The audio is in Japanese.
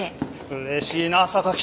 うれしいな榊さん